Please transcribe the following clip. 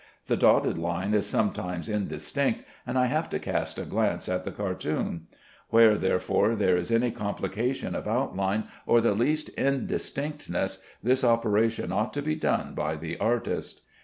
The dotted line is sometimes indistinct, and I have to cast a glance at the cartoon. Where, therefore, there is any complication of outline or the least indistinctness, this operation ought to be done by the artist.